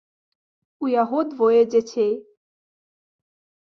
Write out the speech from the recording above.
У яго двое дзяцей.